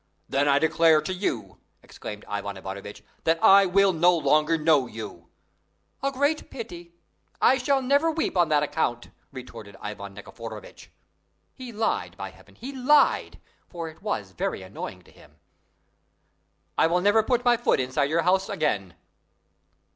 "Then, I declare to you," exclaimed Ivan Ivanovitch, "that I will no longer know you!" "A great pity! By Heaven, I shall never weep on that account!" retorted Ivan Nikiforovitch. He lied, by Heaven, he lied! for it was very annoying to him. "I will never put my foot inside your house again!"